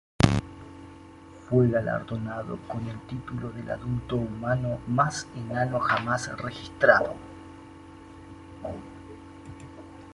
Fue galardonado con el título del adulto humano más enano jamás registrado.